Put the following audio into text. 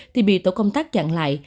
thì bị tổ công tác chặn lại